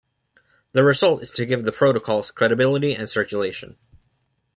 The result is to give "The Protocols" credibility and circulation.